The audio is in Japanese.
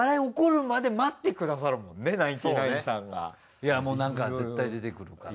いやもうなんか絶対出てくるから。